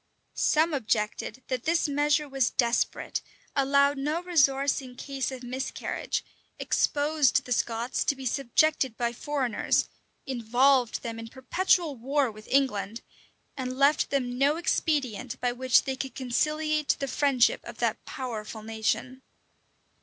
Some objected that this measure was desperate, allowed no resource in case of miscarriage, exposed the Scots to be subjected by foreigners, involved them in perpetual war with England, and left them no expedient by which they could conciliate the friendship of that powerful nation.